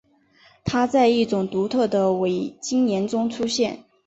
它在一种独特的伟晶岩中出现。